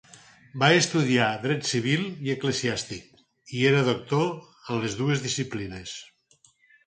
Va estudiar dret civil i eclesiàstic, i era doctor en les dues disciplines.